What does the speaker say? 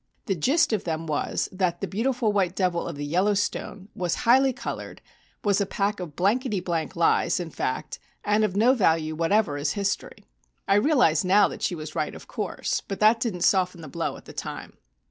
The gist of them was that "The Beautiful White Devil of the Yellowstone" was highly coloured, was a pack of blankety blank lies, in fact, and of no value whatever as history. I realize now that she was right, of course, but that didn't soften the blow at the time.